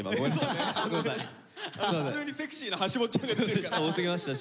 普通にセクシーなはしもっちゃんが出てきた。